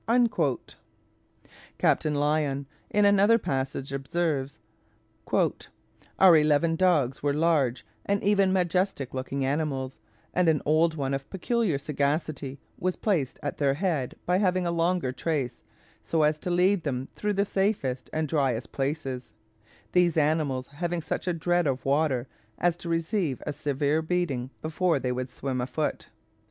Captain Lyon, in another passage, observes: "Our eleven dogs were large, and even majestic looking animals; and an old one of peculiar sagacity was placed at their head by having a longer trace, so as to lead them through the safest and driest places, these animals having such a dread of water as to receive a severe beating before they would swim a foot.